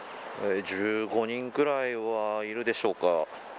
１５人くらいはいるでしょうか。